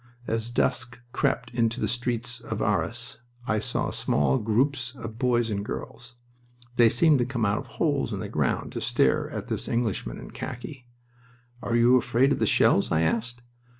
As dusk crept into the streets of Arras I saw small groups of boys and girls. They seemed to come out of holes in the ground to stare at this Englishman in khaki. "Are you afraid of the shells?" I asked.